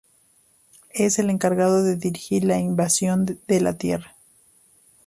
Es el encargado de dirigir la invasión de la Tierra.